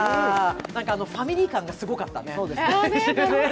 何かファミリー感がすごかったね。